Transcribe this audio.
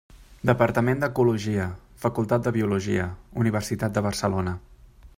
Departament d'Ecologia, Facultat de Biologia, Universitat de Barcelona.